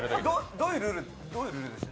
どういうルールですか？